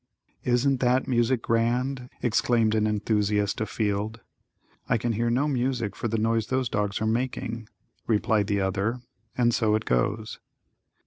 "Isn't that music grand!" exclaimed an enthusiast afield. "I can hear no music for the noise those dogs are making," replied the other. And so it goes.